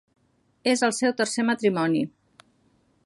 És el seu tercer matrimoni.